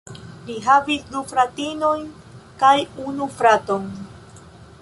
Li havis du fratinojn kaj unu fraton.